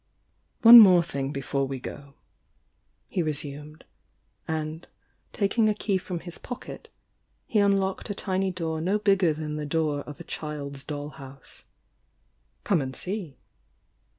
"One more thing before we go," he resumed, and, taking a key from his pocket, he unlocked a tiny door no bigger than the door of a child's doll house. "Come and see!"